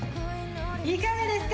いかがですか？